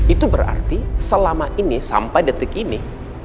itu berarti selama ini sampai detik ini